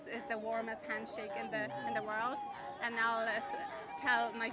dan sekarang saya akan memberitahu ayah saya mengenainya